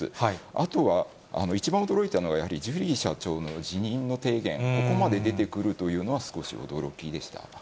あとは一番驚いたのは、やはりジュリー社長の辞任の提言、ここまで出てくるというのは少し驚きでした。